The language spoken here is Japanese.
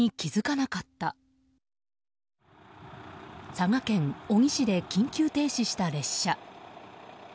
佐賀県小城市で緊急停止した列車。